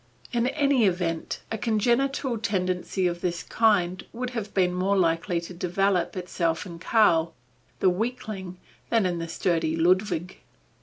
In any event a congenital tendency of this kind would have been more likely to develop itself in Karl, the weakling, than in the sturdy Ludwig.